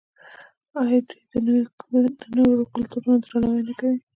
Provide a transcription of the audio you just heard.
آیا دوی د نورو کلتورونو درناوی نه کوي؟